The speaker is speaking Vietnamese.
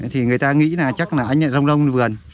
thì người ta nghĩ là chắc là anh ở rong rong vườn